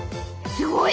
すごい！